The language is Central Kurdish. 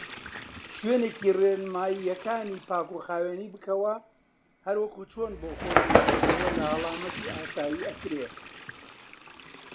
شوێنی ڕێنمایەکانی پاکوخاوینی بکەوە هەروەک چۆن بۆ خۆ دورخستنەوە لە هەڵامەتی ئاسای ئەکرێ.